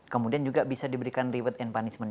kemudian juga bisa diberikan reward and punishment